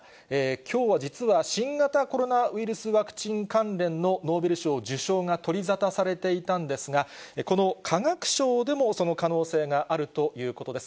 きょうは実は、新型コロナウイルスワクチン関連のノーベル賞受賞が取り沙汰されていたんですが、この化学賞でもその可能性があるということです。